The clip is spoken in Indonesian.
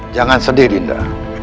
jangan sedih dinda